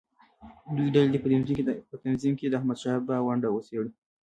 دویمه ډله دې په تنظیم کې د احمدشاه بابا ونډه وڅېړي.